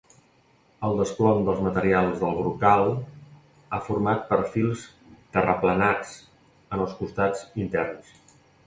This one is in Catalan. El desplom dels materials del brocal ha format perfils terraplenats en els costats interns.